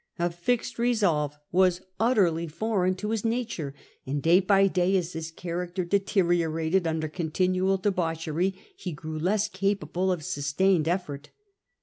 A fixed resolve was utterly foreign to his nature, and day by day, as his character deteriorated under continual debauchery, he grew less capable of sustained effort.